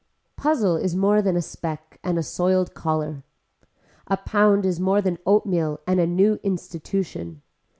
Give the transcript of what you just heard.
Puzzle is more than a speck and a soiled collar. A pound is more than oat meal and a new institution.